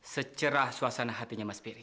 secerah suasana hatinya mas peri